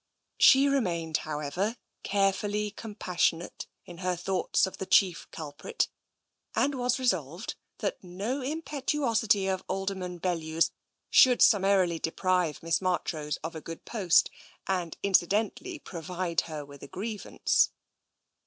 She remained, however, carefully compassionate in her thoughts of the chief culprit, and was resolved that no impetuosity of Alderman Bellew's should summarily deprive Miss Marchrose of a good post, and incidentally provide her with a grievance.